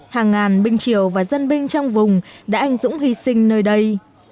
hàng ngàn binh triều và dân binh trong vùng đã anh dũng hy sinh nơi đây